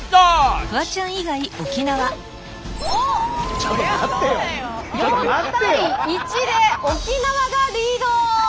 おっ４対１で沖縄がリード！